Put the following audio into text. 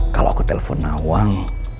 kalau aku telepon nawang